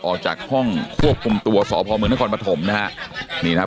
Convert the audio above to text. ออกจากห้องควบคุมตัวสพมนครปฐมนะฮะนี่นะครับ